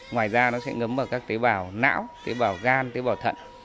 ngoài ra nó sẽ ngấm vào các tế bào não tế bào gan tế bào thận